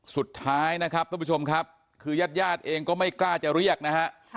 สุดท้ายนะครับทุกผู้ชมครับคือญาติญาติเองก็ไม่กล้าจะเรียกนะฮะ